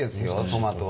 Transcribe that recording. トマトは。